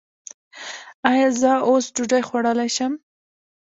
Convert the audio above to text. ایا زه اوس ډوډۍ خوړلی شم؟